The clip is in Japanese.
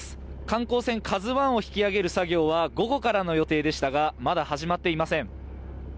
観光船「ＫＡＺＵⅠ」を引き揚げる作業は午後からの予定でしたがまだ始まっていません。